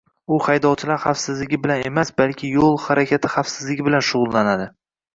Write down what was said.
U haydovchilar xavfsizligi bilan emas, balki yo'l harakati xavfsizligi bilan shug'ullanadi;